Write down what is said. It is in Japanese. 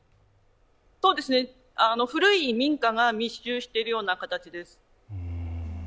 古い民家が密集しているような形です。